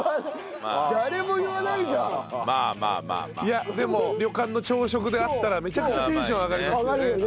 いやでも旅館の朝食であったらめちゃくちゃテンション上がりますよね。